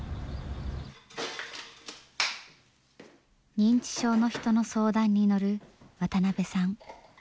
認知症の人の相談に乗る渡邊さん。